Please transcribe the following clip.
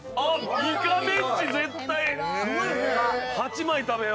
イカメンチ絶対８枚食べよ。